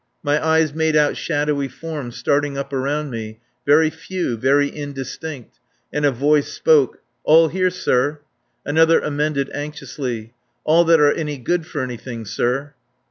my eyes made out shadow forms starting up around me, very few, very indistinct; and a voice spoke: "All here, sir." Another amended anxiously: "All that are any good for anything, sir."